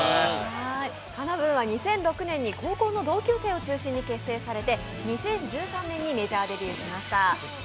ＫＡＮＡ−ＢＯＯＮは２００６年に高校の同級生を中心に結成されて２０１３年にメジャーデビューしました